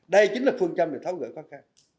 đây chính là phương châm để tháo gỡ khó khăn